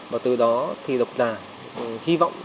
và từ đó thì độc giả hy vọng